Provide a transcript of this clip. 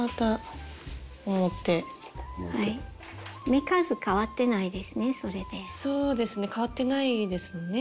目数変わってないですね